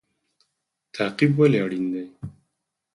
تعقیب ولې اړین دی؟